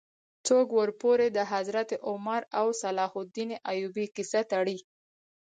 څوک ورپورې د حضرت عمر او صلاح الدین ایوبي کیسه تړي.